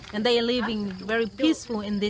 dan mereka hidup dengan sangat tenang di kawasan ini